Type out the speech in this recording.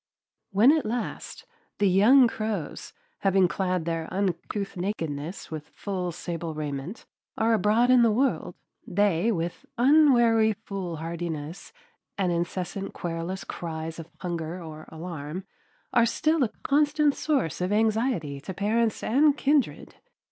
When at last the young crows, having clad their uncouth nakedness with full sable raiment, are abroad in the world, they, with unwary foolhardiness and incessant querulous cries of hunger or alarm, are still a constant source of anxiety to parents and kindred.